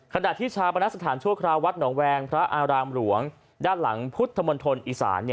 ขณะที่ชาปนัดสถานชั่วคราววัฒน์หนองแวงพระอารามหลวงด้านหลังพุทธมนธนศรกระยะอิสาน